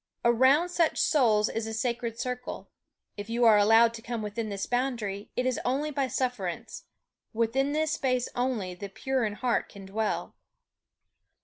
Around such souls is a sacred circle if you are allowed to come within this boundary, it is only by sufferance; within this space only the pure in heart can dwell.